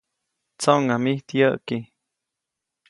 ‒¡Tsoʼŋa mijt yäʼki!‒.